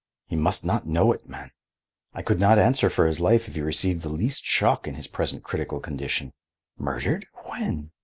"He must not know it, man. I could not answer for his life if he received the least shock in his present critical condition. Murdered? When?"